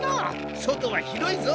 外は広いぞ。